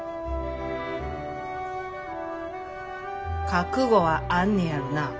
覚悟はあんねやろな。